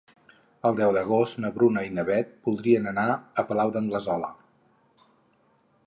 El deu d'agost na Bruna i na Beth voldrien anar al Palau d'Anglesola.